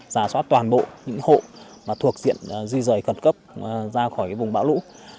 giả soát toàn bộ những hộ mà thuộc diện di rời khẩn cấp ra khỏi vùng bão lũ